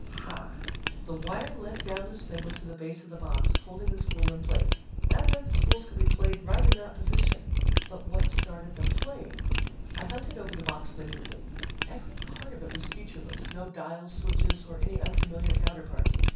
Hah! The wire led down the spindle to the base of the box, holding the spool in place. That meant the spools could be played right in that position. But what started them playing? I hunted over the box minutely. Every part of it was featureless no dials, switches or any unfamiliar counterparts.